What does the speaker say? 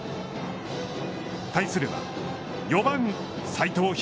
対するは、４番齋藤陽。